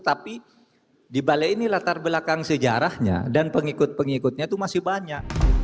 tapi di balai ini latar belakang sejarahnya dan pengikut pengikutnya itu masih banyak